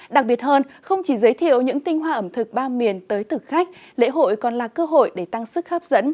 đặc biệt hơn không chỉ giới thiệu những tinh hoa ẩm thực ba miền tới thực khách lễ hội còn là cơ hội để tăng sức hấp dẫn